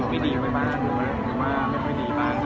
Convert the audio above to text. ไม่ดีบ้างหรือว่าไม่ดีบ้าง